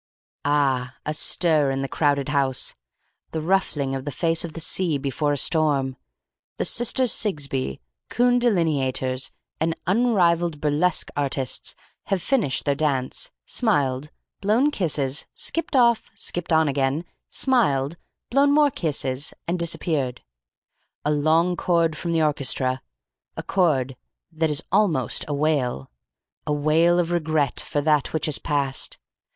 "AA! A stir in the crowded house. The ruffling of the face of the sea before a storm. The Sisters Sigsbee, Coon Delineators and Unrivalled Burlesque Artists, have finished their dance, smiled, blown kisses, skipped off, skipped on again, smiled, blown more kisses, and disappeared. A long chord from the orchestra. A chord that is almost a wail. A wail of regret for that which is past.